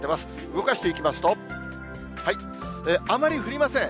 動かしていきますと、あまり降りません。